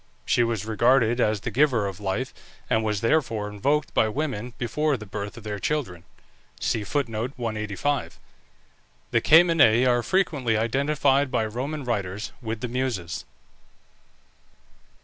She was regarded as the giver of life, and was therefore invoked by women before the birth of their children. The Camenæ are frequently identified by Roman writers with the Muses.